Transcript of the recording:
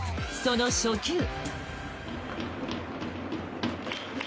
その初球。